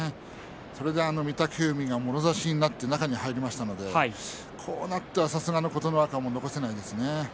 それで御嶽海がもろ差しになって中に入りましたのでこうなっては、さすがの琴ノ若も残せないですね。